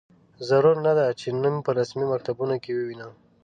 ضرور نه ده چې نوم په رسمي مکتوبونو کې ووینو.